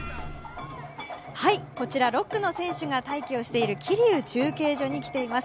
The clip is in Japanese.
こちら６区の選手が待機をしている桐生中継所に来ています。